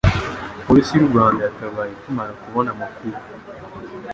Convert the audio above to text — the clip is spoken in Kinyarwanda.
Polisi y'u Rwanda yatabaye ikimara kubona amakuru